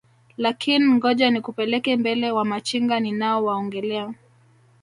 Lakin ngoja nikupeleke mbele Wamachinga ninao waongelea